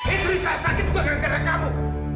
idrisah sakit juga gara gara kamu